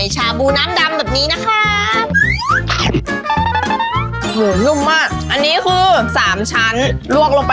ชิมกันเลยค่ะ